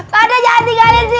pade jangan tinggalin sisi